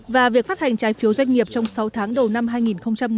và việc phát hành trái phiếu doanh nghiệp trong sáu tháng đầu năm hai nghìn một mươi chín